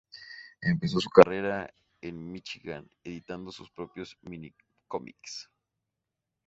Empezó su carrera en Míchigan editando sus propios mini-cómics.